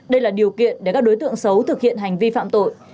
đây là điều kiện để các đối tượng xấu thực hiện hành vi phạm tội